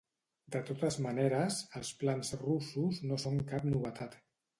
De totes maneres, els plans russos no són cap novetat.